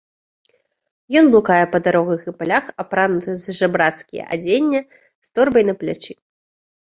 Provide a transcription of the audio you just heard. Ён блукае па дарогах і палях, апрануты з жабрацкія адзення, з торбай на плячы.